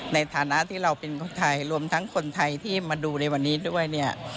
ในฐานะที่เราเป็นคนไทยรวมทั้งคนไทยที่มาดูในวันนี้ด้วยเนี่ย